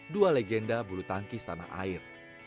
dua legenda bulu tangkis tanah air